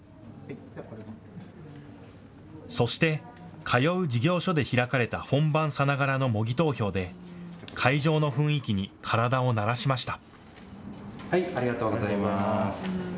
そして通う事業所で開かれた本番さながらの模擬投票で会場の雰囲気に体を慣らしました。